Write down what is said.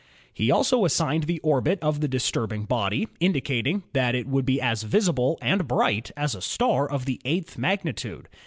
He also assigned the orbit of the disturbing body, indicating that it would be as visible and bright as a star of the eighth mag nitude.